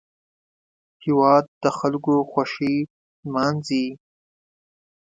هېواد د خلکو خوښۍ لمانځي